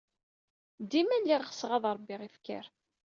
Dima lliɣ ɣseɣ ad ṛebbiɣ ifker.